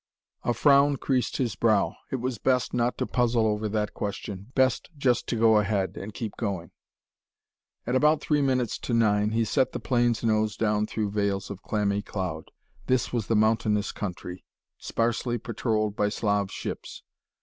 A frown creased his brow. It was best not to puzzle over that question. Best just to go ahead, and keep going. At about three minutes to nine he set the plane's nose down through veils of clammy cloud. This was mountainous country, sparsely patrolled by Slav ships.